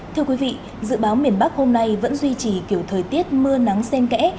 thưa quý vị dự báo miền bắc hôm nay vẫn duy trì kiểu thời tiết mưa nắng sen kẽ